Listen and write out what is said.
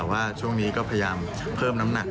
แต่ว่าช่วงนี้ก็พยายามเพิ่มน้ำหนัก